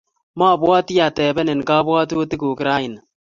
Mabwaati atebenini kabwatutikuuk raini